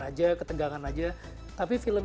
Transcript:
aja ketegangan aja tapi film